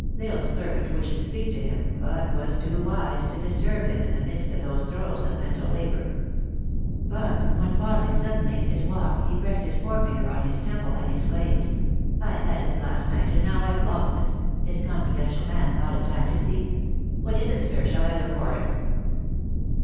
L Isle s servant wished to speak to him, but was too wise to disturb him in the midst of those throes of mental labor. But, when pausing suddenly in his walk, he pressed his forefinger on his temple, and exclaimed, " I had it last night, and now I have lost it !" his con fidential man thought it time to speak. " What is it, sir, shall I look for it